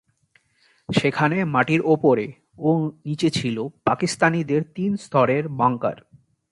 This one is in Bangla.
সেখানে মাটির ওপরে ও নিচে ছিল পাকিস্তানিদের তিন স্তরের বাংকার।